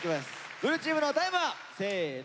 ブルーチームのタイムは？せの。